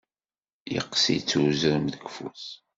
Yeqqes-itt uzrem deg ufus.